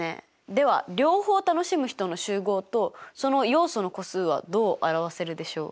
では両方楽しむ人の集合とその要素の個数はどう表せるでしょう？